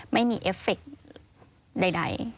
ไม่มีเอฟเฟคใด